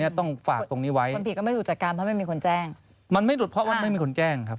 มันไม่ถูกจัดการเพราะว่าไม่มีคนแจ้งครับ